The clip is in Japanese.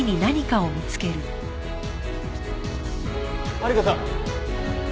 マリコさん。